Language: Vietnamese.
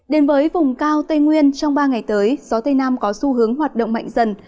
đến với vùng cao tây nguyên trong ba ngày tới gió tây nam có xu hướng hoạt động mạnh dần